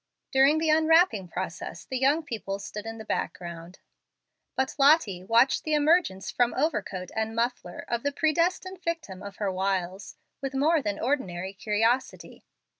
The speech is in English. During the unwrapping process the young people stood in the background, but Lottie watched the emergence from overcoat and muffler of the predestined victim of her wiles with more than ordinary curiosity.